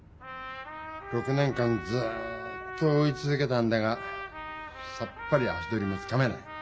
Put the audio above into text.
６年間ずっと追いつづけたんだがさっぱり足取りがつかめない。